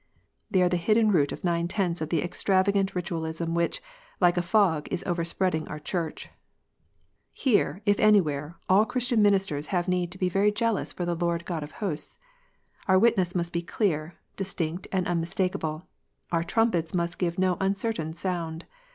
They are the hidden root of nine tenths of the extravagant Kitualism which, like a fog, is overspreading our Church. Here, if anywhere, all Christian ministers have need to be very jealous for the Lord God of hosts. Our witness must be clear, distinct, and unmistakable. Our trumpets must give no uncertain sound.